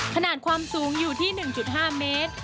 ขนาดความสูงอยู่ที่๑๕เมตร